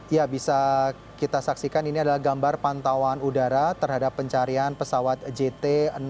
ya bisa kita saksikan ini adalah gambar pantauan udara terhadap pencarian pesawat jt enam ratus sepuluh